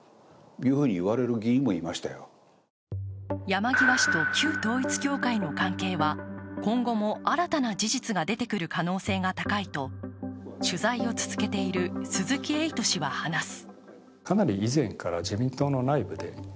山際氏と旧統一教会の関係は、今後も新たな事実が出てくる可能性が高いと取材を続けている鈴木エイト氏は話す。